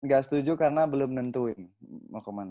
gak setuju karena belum nentuin mau kemana